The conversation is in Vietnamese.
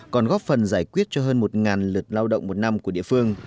còn góp phần giải quyết cho hơn một lượt lao động một năm của địa phương